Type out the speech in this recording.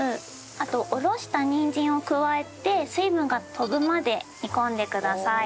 あとおろしたにんじんを加えて水分が飛ぶまで煮込んでください。